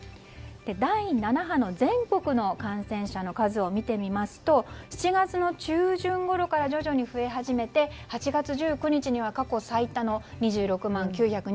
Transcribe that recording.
第７波の全国の感染者の数を見てみますと７月の中旬ごろから徐々に増え始めて８月１９日には過去最多の２６万９２３人。